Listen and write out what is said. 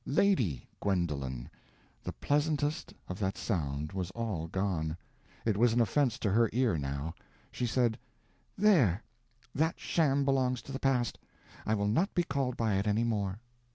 "Lady" Gwendolen! The pleasantness of that sound was all gone; it was an offense to her ear now. She said: "There—that sham belongs to the past; I will not be called by it any more."